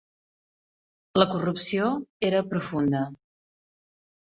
La corrupció era profunda.